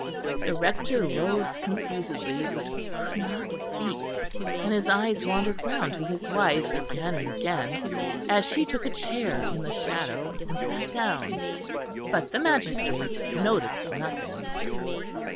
The Rector rose confusedly, but could not speak, and his eyes wandered round to his wife again and again as she took a chair in the shadow and sat down. But the magistrate noticed nothing.